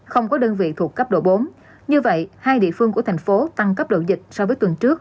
không có đơn vị thuộc cấp độ bốn như vậy hai địa phương của thành phố tăng cấp độ dịch so với tuần trước